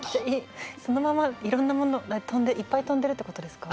そのままいろんなものいっぱい飛んでるってことですか？